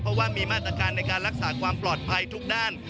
เพราะว่ามีมาตรการในการรักษาความปลอดภัยทุกด้าน